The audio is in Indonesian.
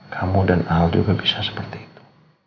kamu dan al juga bisa seperti itu